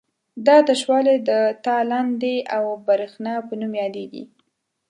دا تشوالی د تالندې او برېښنا په نوم یادیږي.